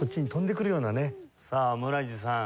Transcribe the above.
さあ村治さん。